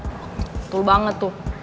betul banget tuh